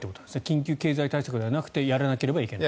緊急経済対策ではなくてやらなくてはいけない。